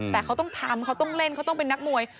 แต่เขาต้องทำเขาต้องเล่นเขาต้องเป็นนักมวย